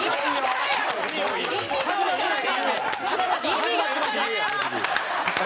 はい。